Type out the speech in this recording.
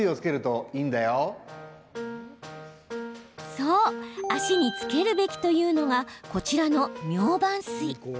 そう、足につけるべきというのがこちらのミョウバン水。